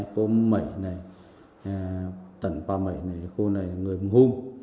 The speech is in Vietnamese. cô mẩy này tần pà mẩy này cô này là người mường khương